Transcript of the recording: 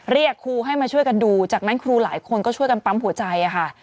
เรียกครูให้มาช่วยกันดูจากนั้นครูหลายคนก็ช่วยกันปั๊มหัวใจค่ะ